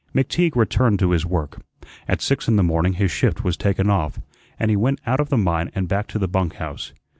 McTeague returned to his work. At six in the morning his shift was taken off, and he went out of the mine and back to the bunk house.